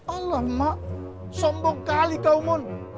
alamak sombong kali kau mun